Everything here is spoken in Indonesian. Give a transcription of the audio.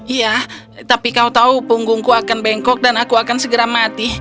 iya tapi kau tahu punggungku akan bengkok dan aku akan segera mati